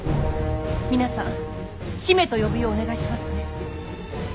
皆さん姫と呼ぶようお願いしますね。